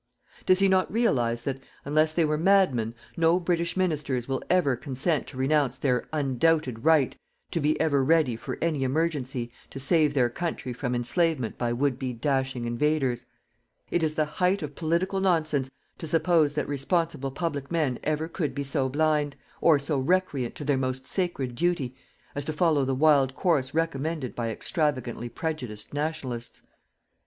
Does he not realize that, unless they were madmen, no British ministers will ever consent to renounce their "UNDOUBTED RIGHT" to be ever ready for any emergency, to save their country from enslavement by would be dashing invaders? It is the height of political nonsense to suppose that responsible public men ever could be so blind, or so recreant to their most sacred duty, as to follow the wild course recommended by extravagantly prejudiced "Nationalists."